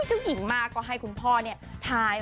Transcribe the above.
อุ้ยเจ้าหญิงมากขอให้คุณพ่อเนี่ย